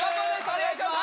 お願いします。